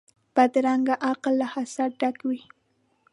بدرنګه عقل له حسده ډک وي